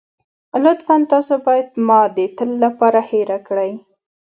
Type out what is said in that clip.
لطفاً تاسو بايد ما د تل لپاره هېره کړئ.